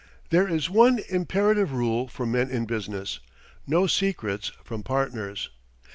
There is one imperative rule for men in business no secrets from partners.